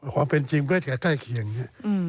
ความเป็นจริงด้วยแค่ใกล้เคียงเนี่ย